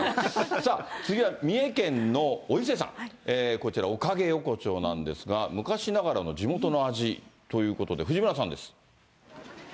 さあ、次は三重県のお伊勢さん、こちら、おかげ横丁なんですが、昔ながらの地元の味ということで、藤村さんです。